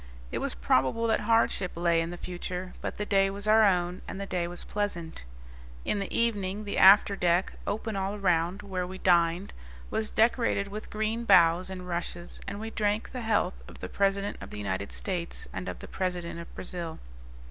It was probable that hardship lay in the future; but the day was our own, and the day was pleasant. In the evening the after deck, open all around, where we dined, was decorated with green boughs and rushes, and we drank the health of the President of the United States and of the President of Brazil.